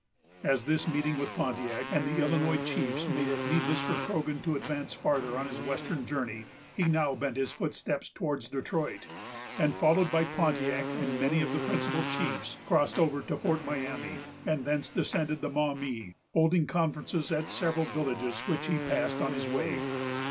As this meeting with Pontiac and the Illinois chiefs made it needless for Croghan to advance farther on his western journey, he now bent his footsteps towards Detroit, and, followed by Pontiac and many of the principal chiefs, crossed over to Fort Miami, and thence descended the Maumee, holding conferences at the several villages which he passed on his way.